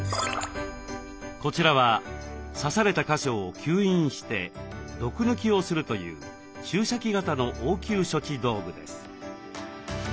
こちらは刺された箇所を吸引して毒抜きをするという注射器型の応急処置道具です。